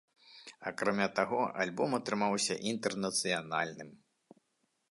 Акрамя таго, альбом атрымаўся інтэрнацыянальным.